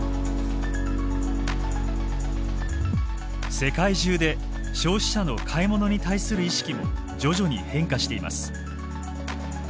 世界中で消費者の買い物に対する意識も徐々に変化しています。